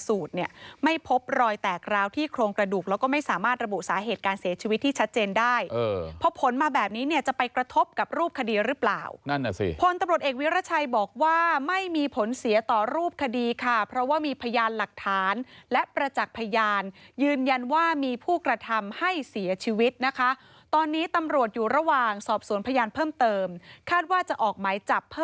อุดเนี่ยไม่พบรอยแตกราวที่โครงกระดูกแล้วก็ไม่สามารถระบุสาเหตุการเสียชีวิตที่ชัดเจนได้เพราะผลมาแบบนี้เนี่ยจะไปกระทบกับรูปคดีหรือเปล่านั่นสิผลตำรวจเอกวิรัชชัยบอกว่าไม่มีผลเสียต่อรูปคดีค่ะเพราะว่ามีพยานหลักฐานและประจักษ์พยานยืนยันว่ามีผู้กระทำให้เสียชีวิตนะคะตอนนี้ตำรวจอย